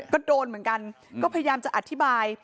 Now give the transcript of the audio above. ก็โดนเหมือนกันก็พยายามจะอธิบาย